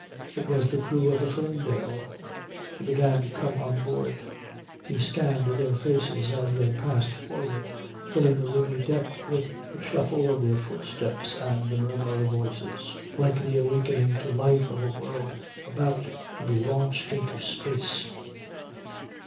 It was the crew of the Ferndale. They began to come on board. He scanned their faces as they passed forward filling the roomy deck with the shuffle of their footsteps and the murmur of voices, like the awakening to life of a world about to be launched into space.